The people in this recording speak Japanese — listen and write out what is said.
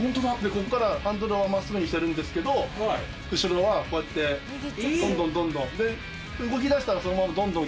ここからハンドルをまっすぐにしてるんですけど、後ろはこうやって、どんどんどんどん。